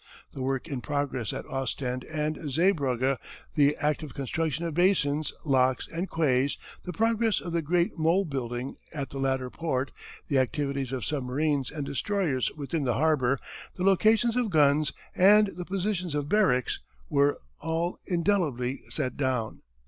The work in progress at Ostend and Zeebrugge, the active construction of basins, locks, and quays, the progress of the great mole building at the latter port, the activities of submarines and destroyers within the harbour, the locations of guns and the positions of barracks were all indelibly set down.